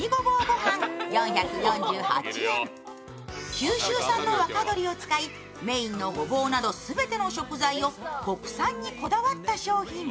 九州産の若鶏を使い、メインのごぼうなど全ての食材を国産にこだわった商品。